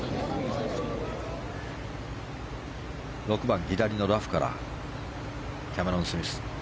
６番、左のラフからキャメロン・スミス。